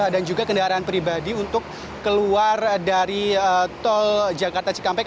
dan juga kendaraan pribadi untuk keluar dari tol jakarta cikampek